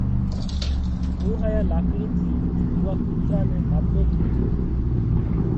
هُون هايا لاڪڙِي ٿِي اُوئا ڪُوترا نئہ مارتوت ريو۔